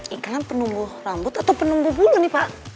iklan penumbuh rambut atau penumbuh bulu nih pak